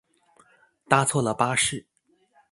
搭错了巴士